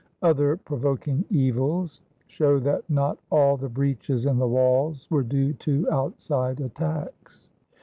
Other "provoking evils" show that not all the breaches in the walls were due to outside attacks.